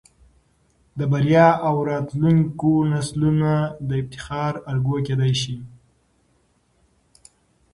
د بريا او راتلونکو نسلونه د افتخار الګو کېدى شي.